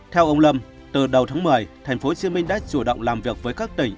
theo ông lâm từ đầu tháng một mươi tp hcm đã chủ động làm việc với các tỉnh